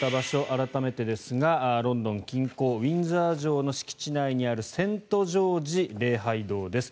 改めてですがロンドン近郊ウィンザー城の敷地内にあるセント・ジョージ礼拝堂です。